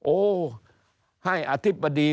โอ้ให้อธิบดี